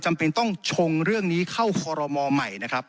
จำเป็นต้องชงเรื่องนี้เข้าคอรมอลใหม่นะครับ